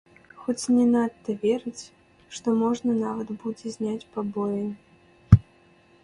Хоць не надта верыць, што можна нават будзе зняць пабоі.